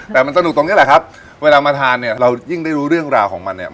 แต่มันสนุกตรงเนี้ยแหละครับเวลามาทานเนี่ยเรายิ่งได้รู้เรื่องราวของมันเนี่ย